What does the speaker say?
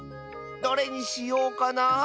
どれにしようかな？